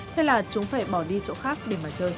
thế là chúng phải bỏ đi chỗ khác để mà chơi